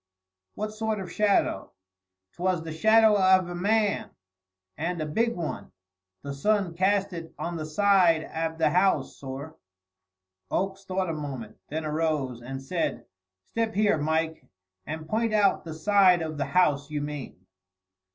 "What sort of a shadow?" "'Twas the shadow av a man, and a big one. The sun cast it on the side av the house, sorr." Oakes thought a moment, then arose and said: "Step here, Mike, and point out the side of the house you mean."